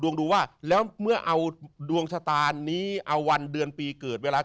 ดูว่าแล้วเมื่อเอาดวงชะตานี้เอาวันเดือนปีเกิดเวลา